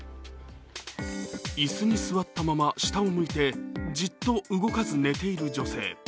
椅子に座ったまま下を向いてじっと動かず寝ている女性。